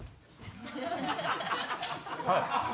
はい。